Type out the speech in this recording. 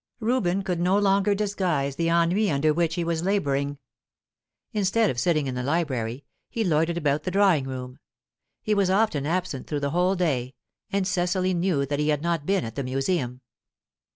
Reuben could no longer disguise the ennui under which he was labouring. Instead of sitting in the library, he loitered about the drawing room; he was often absent through the whole day, and Cecily knew that he had not been at the Museum.